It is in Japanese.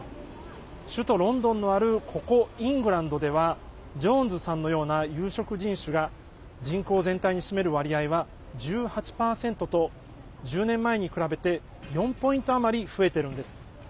首都ロンドンのあるここ、イングランドではジョーンズさんのような有色人種が人口全体に占める割合は１８％と１０年前に比べて４ポイント余り増えてるんです。